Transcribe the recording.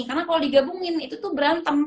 karena kalo digabungin itu tuh berantem